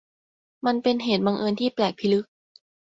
มันเป็นเหตุบังเอิญที่แปลกพิลึก